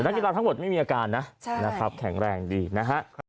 กีฬาทั้งหมดไม่มีอาการนะนะครับแข็งแรงดีนะฮะ